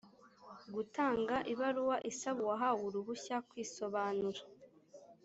gutanga ibaruwa isaba uwahawe uruhushya kwisobanura